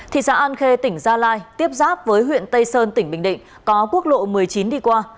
thị xã an khê tỉnh gia lai tiếp giáp với huyện tây sơn tỉnh bình định có quốc lộ một mươi chín đi qua